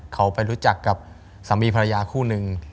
เขาไปรู้จักกับสามีภรรยาคู่นึง